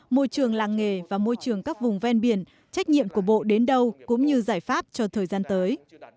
môi trường làng nghề và môi trường các vùng ven biển trách nhiệm của bộ đến đâu cũng như giải pháp cho thời gian tới